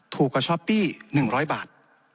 ถูกกว่าช้อปปี้๑๐๐บาท